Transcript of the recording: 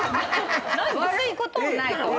悪いこともないと思う。